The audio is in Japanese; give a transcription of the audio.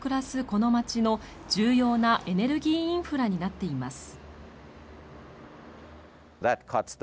この街の重要なエネルギーインフラになっています。